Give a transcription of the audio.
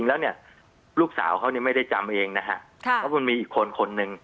แล้วเนี่ยลูกสาวเขาเนี่ยไม่ได้จำเองนะฮะเพราะมันมีอีกคนคนหนึ่ง